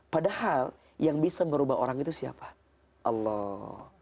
padahal yang bisa merubah orang itu siapa allah